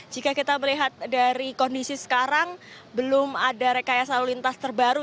jika kita melihat dari kondisi sekarang belum ada rekayasa lalu lintas terbaru